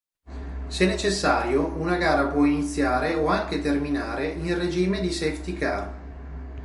Se necessario, una gara può iniziare o anche terminare in regime di "safety car".